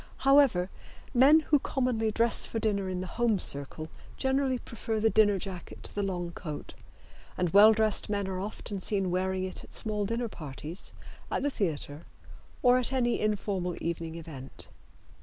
However, men who commonly dress for dinner in the home circle generally prefer the dinner jacket to the long coat, and well dressed men are often seen wearing it at small dinner parties, at the theater or at any informal evening event.